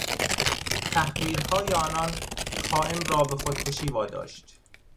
تحقیرهای آنان خائن را به خودکشی واداشت.